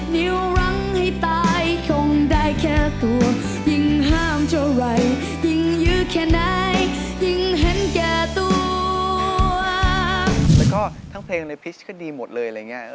แล้วก็ทั้งเพลงในพิจกรรมก็ดีหมดเลย